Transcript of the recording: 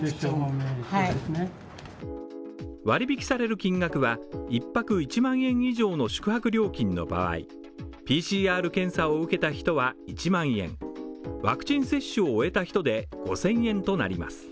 金額は１泊１万円以上の宿泊料金の場合、ＰＣＲ検査を受けた人は１万円ワクチン接種を終えた人で５０００円となります。